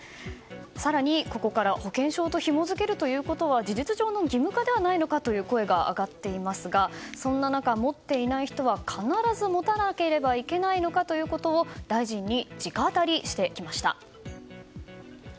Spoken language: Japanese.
更に、ここから保険証とひもづけるということは事実上の義務化ではないのか？という声が上がっていますがそんな中、持っていない人は必ず持たなければいけないのかということを大臣に直アタリしてきました。